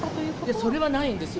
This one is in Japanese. いや、それはないんです。